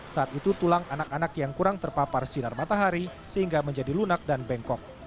saat itu tulang anak anak yang kurang terpapar sinar matahari sehingga menjadi lunak dan bengkok